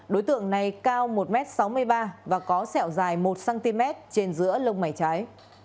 đối tượng này cao một m sáu mươi ba và có sẹo dài một cm trên giữa lông mảy trái